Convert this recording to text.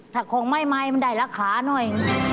ถ้าของไหมมันได้ราคาหน่อย